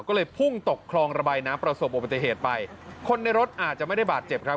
ก็เลยพุ่งตกคลองระบายน้ำประสบอุบัติเหตุไปคนในรถอาจจะไม่ได้บาดเจ็บครับ